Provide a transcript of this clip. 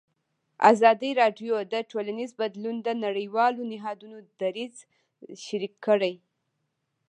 ازادي راډیو د ټولنیز بدلون د نړیوالو نهادونو دریځ شریک کړی.